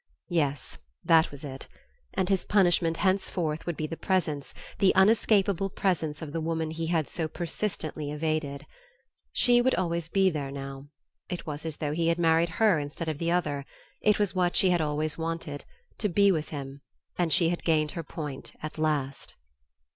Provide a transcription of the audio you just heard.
Yes, that was it; and his punishment henceforth would be the presence, the unescapable presence, of the woman he had so persistently evaded. She would always be there now. It was as though he had married her instead of the other. It was what she had always wanted to be with him and she had gained her point at last....